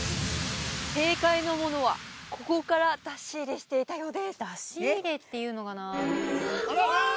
正解のものはここから出し入れしていたようです